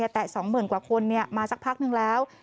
แต่๒๐๐๐กว่าคนมาสักพักนึงแล้ว